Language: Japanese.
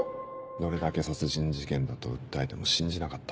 どれだけ殺人事件だと訴えても信じなかった。